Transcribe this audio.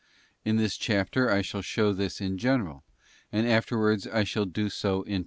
In this chapter I shall show this in general, and afterwards I shall do so in parti * Acts xiii.